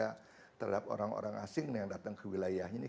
takut atau selalu curiga terhadap orang orang asing yang datang ke wilayah ini